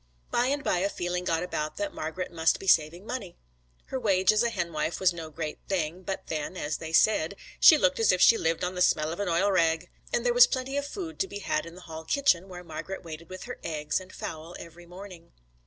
By and by a feeling got about that Margret must be saving money. Her wage as a henwife was no great thing, but then, as they said, 'she looked as if she lived on the smell of an oil rag,' and there was plenty of food to be had in the Hall kitchen, where Margret waited with her eggs and fowl every morning.